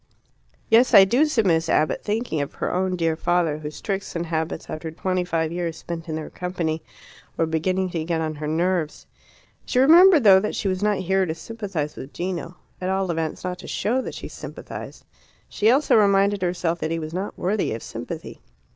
"Yes, I do," said Miss Abbott, thinking of her own dear father, whose tricks and habits, after twenty five years spent in their company, were beginning to get on her nerves. She remembered, though, that she was not here to sympathize with Gino at all events, not to show that she sympathized. She also reminded herself that he was not worthy of sympathy.